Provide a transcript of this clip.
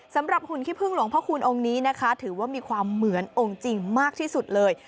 หุ่นขี้พึ่งหลวงพระคูณองค์นี้นะคะถือว่ามีความเหมือนองค์จริงมากที่สุดเลย